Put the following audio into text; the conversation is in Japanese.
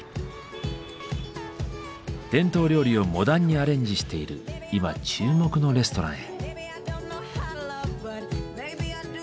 伝統料理をモダンにアレンジしている今注目のレストランへ。